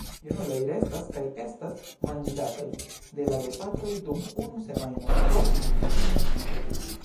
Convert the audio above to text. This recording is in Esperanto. Junuloj restas kaj estas manĝigataj de la gepatroj dum unu semajno post elnestiĝo.